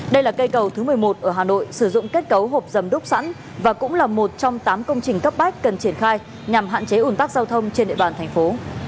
đây là cây cầu thứ một mươi một ở hà nội sử dụng kết cấu hộp dầm đúc sẵn và cũng là một trong tám công trình cấp bách cần triển khai nhằm hạn chế ủn tắc giao thông trên địa bàn thành phố